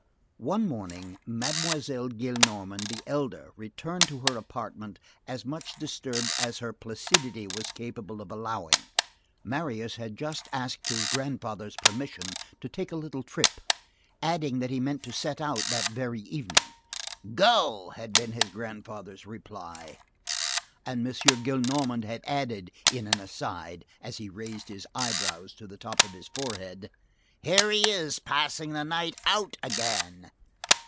One morning, Mademoiselle Gillenormand the elder returned to her apartment as much disturbed as her placidity was capable of allowing. Marius had just asked his grandfather's permission to take a little trip, adding that he meant to set out that very evening. "Go!" had been his grandfather's reply, and M. Gillenormand had added in an aside, as he raised his eyebrows to the top of his forehead: "Here he is passing the night out again."